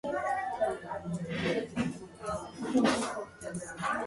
It is as if the implements merely skimmed past the fish or game.